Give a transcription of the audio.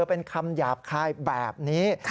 เป็นคำหยาบคายแบบนี้